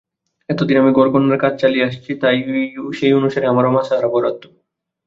এতদিন আমি ঘরকন্নার কাজ চালিয়ে আসছি সেই অনুসারে আমারও মাসহারা বরাদ্দ।